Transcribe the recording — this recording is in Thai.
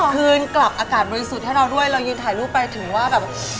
คืนกลับอากาศบริสุทธิ์ให้เราด้วยเรายืนถ่ายรูปไปถึงว่าแบบ